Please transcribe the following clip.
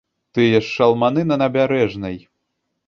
Тыя ж шалманы на набярэжнай.